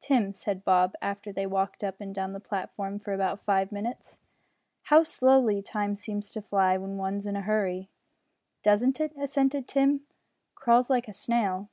"Tim," said Bob after they had walked up and down the platform for about five minutes, "how slowly time seems to fly when one's in a hurry!" "Doesn't it?" assented Tim, "crawls like a snail."